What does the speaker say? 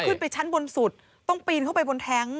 ขึ้นไปชั้นบนสุดต้องปีนเข้าไปบนแท้ง